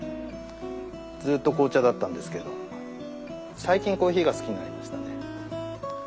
ずーっと紅茶だったんですけど最近コーヒーが好きになりましたね。